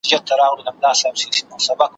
زموږ له ډلي اولادونه ځي ورکیږي `